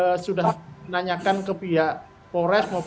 saya sudah tanya ke poda langkah langkah kemudian prosedur penyidikan